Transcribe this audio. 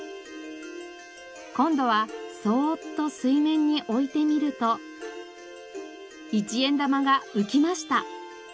今度はそーっと水面に置いてみると１円玉が浮きました。